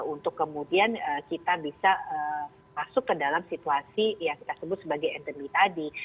untuk kemudian kita bisa masuk ke dalam situasi yang kita sebut sebagai endemi tadi